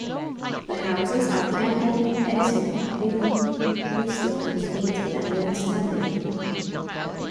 The houses are Campbell, Edison, Newton, Priestley, Smeaton and Winstanley.